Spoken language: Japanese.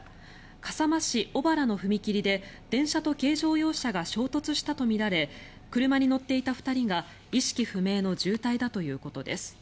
笠間市小原の踏切で電車と軽乗用車が衝突したとみられ車に乗っていた２人が意識不明の重体だということです。